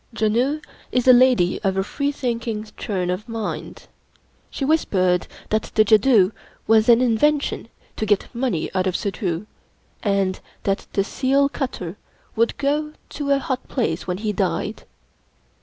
Janoo is a lady of a freethinking turn of mind. She whispered that the jadoo was an in vention to get money out of Suddhoo, and that the seal cutter would go to a hot place when he died.